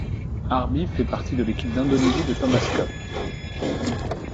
Arbi fait partie de l'équipe d'Indonésie de Thomas Cup.